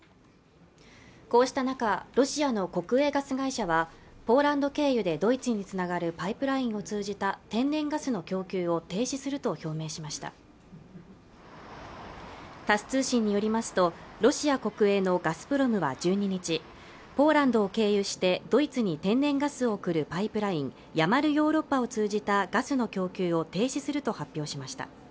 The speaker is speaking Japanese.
こうした中ロシアの国営ガス会社はポーランド経由でドイツにつながるパイプラインを通じた天然ガスの供給を停止すると表明しましたタス通信によりますとロシア国営のガスプロムは１２日ポーランドを経由してドイツに天然ガスを送るパイプラインヤマルヨーロッパを通じたガスの供給を停止すると発表しました